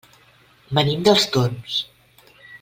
Venim dels Torms.